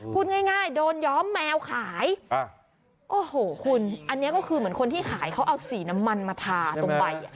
พูดง่ายโดนย้อมแมวขายโอ้โหคุณอันนี้ก็คือเหมือนคนที่ขายเขาเอาสีน้ำมันมาทาตรงใบอ่ะ